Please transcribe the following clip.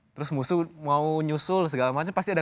terus musuh mau nyusul segala macam pasti ada